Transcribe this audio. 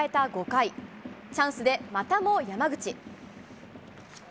５回、チャンスでまたも山口。